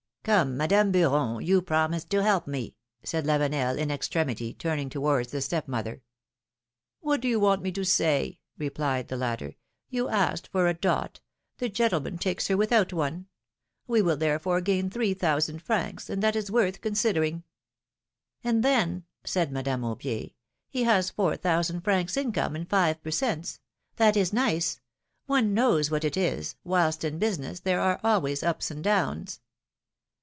Come, Madame Beuron, you promised to help me,'^ said Lavenel, in extremity, turning towards the step mother. What do you want me to say?^^ replied the latter; philom£:ne's marriages. 307 you asked for a dot^ the gentleman takes her without one; we will therefore gain three thousand francs, and that is worth considering/^ ^^And then/^ said Madame Aubier, ^^he has four thou sand francs income in five per cents. ; that is nice ; one knows what it is, whilst in business there are always ups and downs.